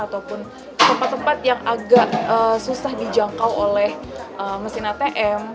ataupun tempat tempat yang agak susah dijangkau oleh mesin atm